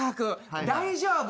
大丈夫？